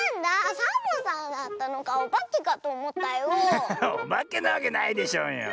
ハハハおばけなわけないでしょうよ。